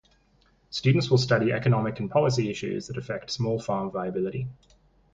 Students will study economic and policy issues that affect small farm viability.